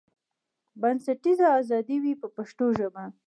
بنسټیزه ازادي وي په پښتو ژبه.